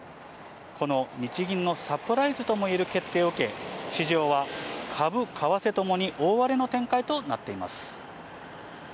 この日銀のサプライズともいえる決定を受け、市場は株、為替ともに大荒れの展開となっています。